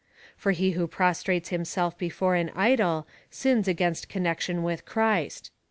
For he who prostrates himself before an idol, sins against connection with Christ.